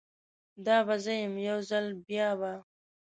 دا به زه یم، یو ځل بیا به